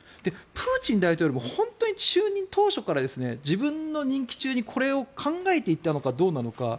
プーチン大統領も本当に就任当初から自分の任期中にこれを考えていたのかどうなのか。